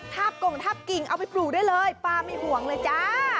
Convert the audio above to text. กงทาบกิ่งเอาไปปลูกได้เลยป้าไม่ห่วงเลยจ้า